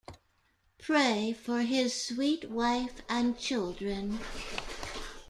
Pray for his sweet wife and children.